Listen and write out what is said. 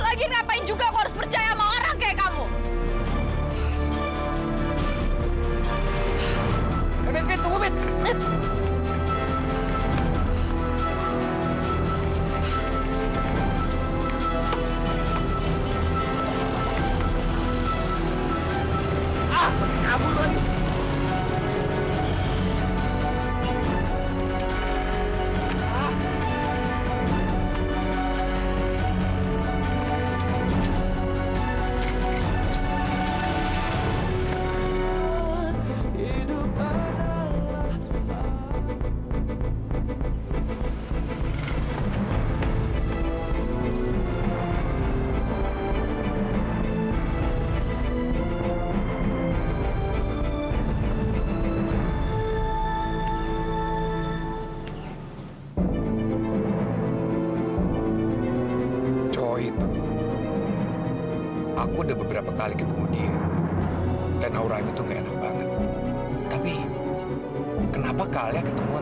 lagi ngapain juga kau harus percaya sama orang kayak kamu